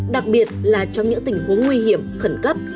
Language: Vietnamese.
đặc biệt là trong những tình huống nguy hiểm khẩn cấp